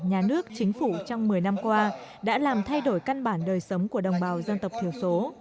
nhà nước chính phủ trong một mươi năm qua đã làm thay đổi căn bản đời sống của đồng bào dân tộc thiểu số